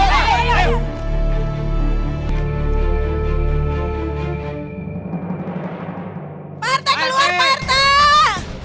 pak rt keluar pak rt